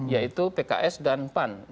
yaitu pks dan pan